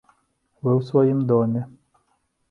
Вы ў сваім доме.